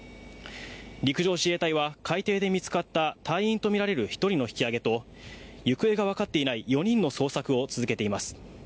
陸上自衛隊は海底で見つかった隊員とみられる１人の引き揚げと行方が分かっていない４人の捜索を続けています。